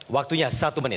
waktunya satu menit